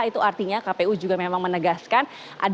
itu artinya kpu juga memang menegaskan